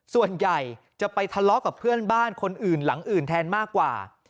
ส่วนใหญ่จะไปทะเลาะกับเพื่อนบ้านคนอื่นหลังอื่นแทนมากกว่า